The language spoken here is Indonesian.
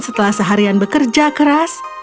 setelah seharian bekerja keras